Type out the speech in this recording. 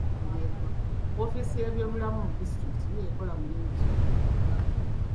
Woofiisi y'ebyobulimi mu disitulikiti ekola mulimu ki mu Uganda?